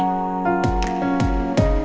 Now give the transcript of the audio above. sini kita mulai mencoba